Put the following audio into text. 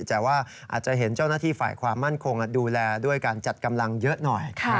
แต่ว่าอาจจะเห็นเจ้าหน้าที่ฝ่ายความมั่นคงดูแลด้วยการจัดกำลังเยอะหน่อย